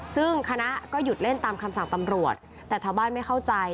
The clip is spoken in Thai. ซึ่งคณะก็หยุดเล่นตามคำสั่งตำรวจแต่ชาวบ้านไม่เข้าใจ